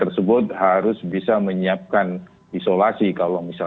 dan tentu ini akan juga menghidupkan hotel hotel di mana ada lebih dua puluh lima hotel